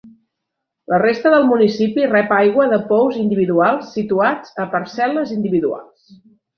La resta del municipi rep aigua de pous individuals situats a parcel·les individuals.